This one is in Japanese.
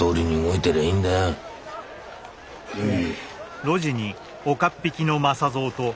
へい。